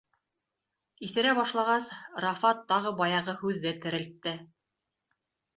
Иҫерә башлағас, Рафа тағы баяғы һүҙҙе терелтте: